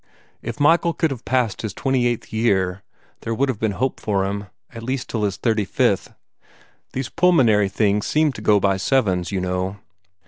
If Michael could have passed his twenty eighth year, there would have been hope for him, at least till his thirty fifth. These pulmonary things seem to go by sevens, you know."